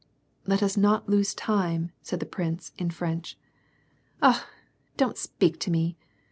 " Let us not lose time," said the prince, in French. "Ah ! don't speak to me.